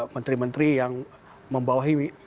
menteri menteri yang membawahi